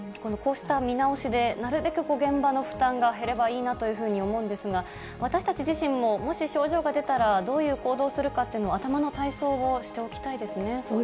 こうした見直しで、なるべく現場の負担が減ればいいなと思うんですが、私たち自身も、もし症状が出たら、どういう行動をするかというのを、頭の体操をそうですね。